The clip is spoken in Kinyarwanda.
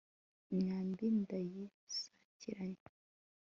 imyambi ndayisakiranya